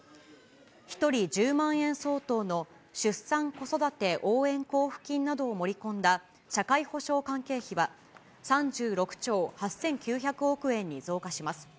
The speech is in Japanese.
１人１０万円相当の出産・子育て応援交付金などを盛り込んだ社会保障関係費は、３６兆８９００億円に増加します。